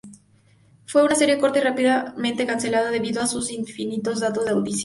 Fue una serie corta y rápidamente cancelada, debido a sus ínfimos datos de audiencia.